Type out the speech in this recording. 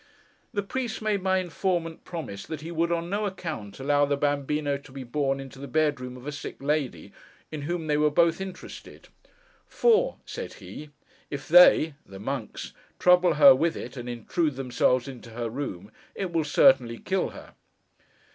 This Priest made my informant promise that he would, on no account, allow the Bambíno to be borne into the bedroom of a sick lady, in whom they were both interested. 'For,' said he, 'if they (the monks) trouble her with it, and intrude themselves into her room, it will certainly kill her.